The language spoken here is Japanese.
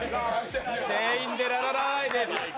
全員でララララーイです。